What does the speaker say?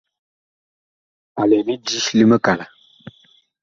A lɛ lidi li mikala.